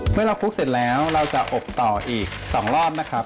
เมื่อเราคลุกเสร็จแล้วเราจะอบต่ออีก๒รอบนะครับ